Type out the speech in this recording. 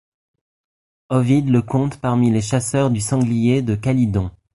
Ovide le compte parmi les chasseurs du sanglier de Calydon.